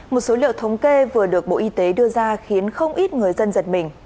một số liệu thống kê vừa được bộ y tế đưa ra khiến không ít người dân giật mình